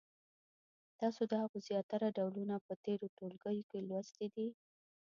تاسو د هغو زیاتره ډولونه په تېرو ټولګیو کې لوستي دي.